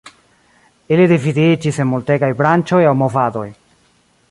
Ili dividiĝis en multegaj branĉoj aŭ movadoj.